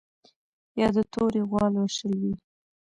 یا د تورې غوا لوشل وي